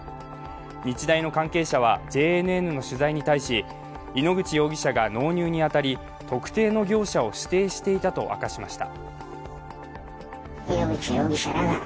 日大の関係者はＪＮＮの取材に対し、井ノ口容疑者が納入に当たり特定の業者を指定していたと明かしました。